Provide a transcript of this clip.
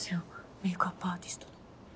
メイクアップアーティストの。